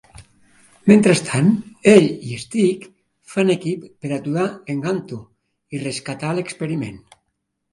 Mentrestant, ell i Stitch fan equip per aturar en Gantu i rescatar l'experiment.